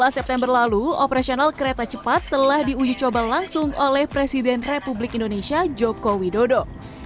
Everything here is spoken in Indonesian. dua belas september lalu operasional kereta cepat telah diuji coba langsung oleh presiden republik indonesia joko widodo